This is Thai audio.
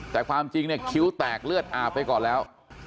แต่ความจริงเนี่ยคิ้วแตกเลือดอาบไปก่อนแล้ว